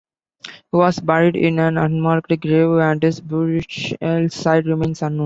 He was buried in an unmarked grave, and his burial site remains unknown.